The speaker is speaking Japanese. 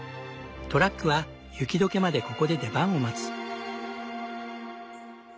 トラックは雪解けまでここで出番を待つ。